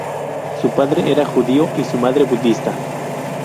Su padre era judío y su madre budista.